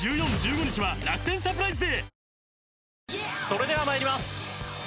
それでは参ります。